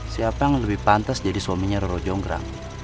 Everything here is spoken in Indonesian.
siapa yang lebih pantas jadi suaminya roro jonggrang